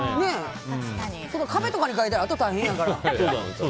壁とかに書いたらあとが大変やから。